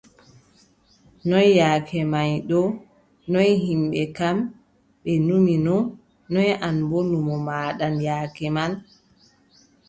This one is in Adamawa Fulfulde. Noy yaake may ɗo, noy yimɓe kam, ɓe numino, noy an boo numo maaɗan yaake man?